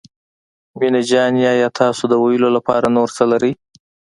مينه جانې آيا تاسو د ويلو لپاره نور څه لرئ.